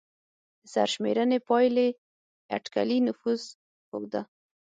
د سرشمېرنې پایلې اټکلي نفوس ښوده.